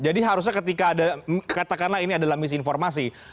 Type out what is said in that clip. jadi harusnya ketika ada katakanlah ini adalah misinformasi